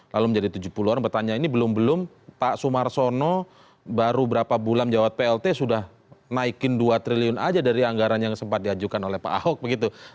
lalu menjadi tujuh puluh an bertanya ini belum belum pak sumarsono baru berapa bulan jawab plt sudah naikin dua triliun aja dari anggaran yang sempat diajukan oleh pak ahok begitu